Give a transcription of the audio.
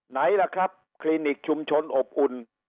ไหนล่ะครับคลินิกชุมชนอบอุ่น